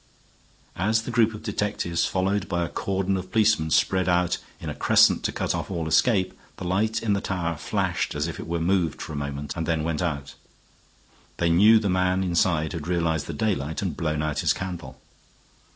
As the group of detectives, followed by a cordon of policemen, spread out into a crescent to cut off all escape, the light in the tower flashed as if it were moved for a moment, and then went out. They knew the man inside had realized the daylight and blown out his candle.